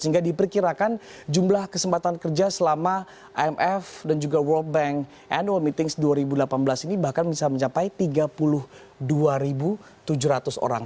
sehingga diperkirakan jumlah kesempatan kerja selama imf dan juga world bank annual meetings dua ribu delapan belas ini bahkan bisa mencapai tiga puluh dua tujuh ratus orang